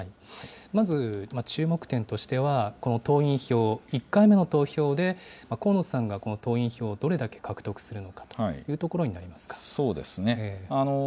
まず注目点としては、この党員票、１回目の投票で、河野さんがこの党員票をどれだけ獲得するのかというところになりそうですね。